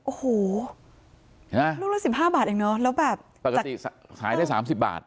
โอ้โหลูกละ๑๕บาทเองเนอะปกติขายได้๓๐บาท